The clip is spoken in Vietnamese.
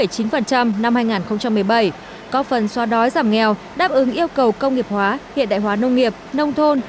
góp phần xoa đói giảm nghèo đáp ứng yêu cầu công nghiệp hóa hiện đại hóa nông nghiệp nông thôn